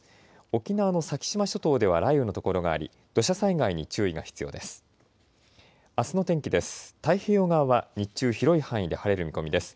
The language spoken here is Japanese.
沖縄の先島諸島では雷雨の所があり土砂災害に注意が必要です。